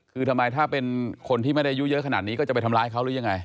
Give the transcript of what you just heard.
คือทำไมถ้าเป็นคนที่ไม่ได้อายุเยอะขนาดนี้ก็จะไปทำร้ายเขาหรือยังไง